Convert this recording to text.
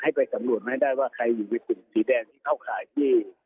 ไปสำรวจมาให้ได้ว่าใครอยู่ในกลุ่มสีแดงที่เข้าข่ายที่